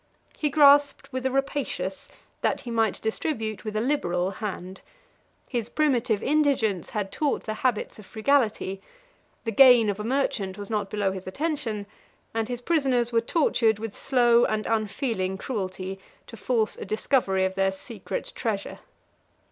He grasped with a rapacious, that he might distribute with a liberal, hand: his primitive indigence had taught the habits of frugality; the gain of a merchant was not below his attention; and his prisoners were tortured with slow and unfeeling cruelty, to force a discovery of their secret treasure.